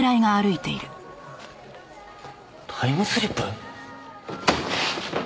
タイムスリップ！？